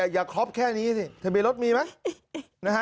อย่าครบแค่นี้สิทะเบียรถมีไหม